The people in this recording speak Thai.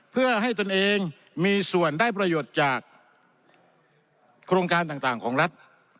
เพื่อให้ตนเองมีส่วนได้ประโยชน์จากโครงการต่างของรัฐ